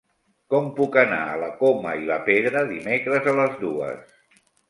Com puc anar a la Coma i la Pedra dimecres a les dues?